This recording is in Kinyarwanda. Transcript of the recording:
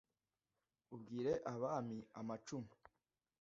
Ubwire Abami amacumu